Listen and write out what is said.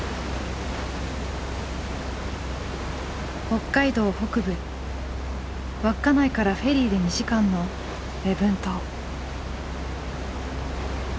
北海道北部稚内からフェリーで２時間の礼文島。